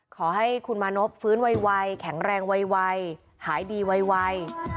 ขอให้คุณมานพฟื้นไวแข็งแรงไวหายดีไว